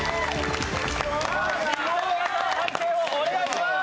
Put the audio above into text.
判定をお願いします。